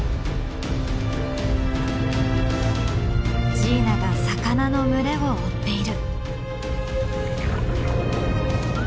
ジーナが魚の群れを追っている。